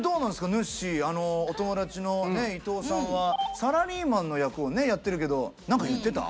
ぬっしーあのお友達のね伊東さんはサラリーマンの役をねやってるけど何か言ってた？